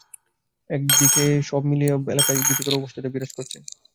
একদিকে জামায়াত-শিবিরের নাশকতা, অন্যদিকে পুলিশের ধরপাকড়—সব মিলিয়ে এলাকায় ভীতিকর অবস্থা বিরাজ করছে।